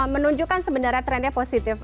menunjukkan sebenarnya trendnya positif